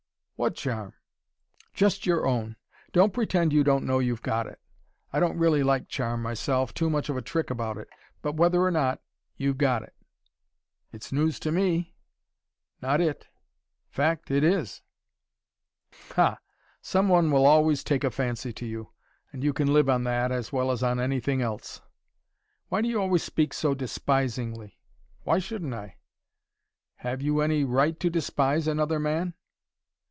"What charm?" "Just your own. Don't pretend you don't know you've got it. I don't really like charm myself; too much of a trick about it. But whether or not, you've got it." "It's news to me." "Not it." "Fact, it is." "Ha! Somebody will always take a fancy to you. And you can live on that, as well as on anything else." "Why do you always speak so despisingly?" "Why shouldn't I?" "Have you any right to despise another man?"